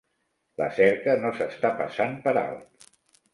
La cerca no s'està passant per alt.